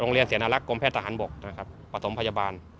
โรงเรียนเสียงอาลักษณ์กรมแพทย์อาหารบกนะครับประสงค์พยาบาล